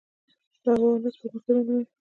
د هوا حالات سپوږمکۍ معلوموي